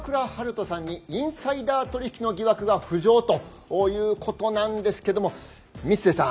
人さんにインサイダー取引の疑惑が浮上ということなんですけども光瀬さん